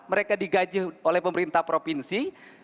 mereka digaji oleh pemerintah provinsi